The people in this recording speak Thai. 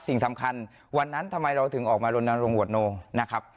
สิ่งสำคัญวันนั้นทำไมเราถึงออกมารณรงควดโนนะครับ